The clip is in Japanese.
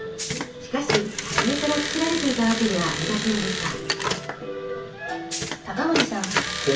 しかし初めから作られていたわけではありませんでした。